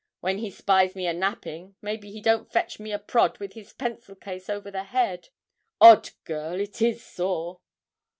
'When he spies me a napping, maybe he don't fetch me a prod with his pencil case over the head. Odd! girl, it is sore.'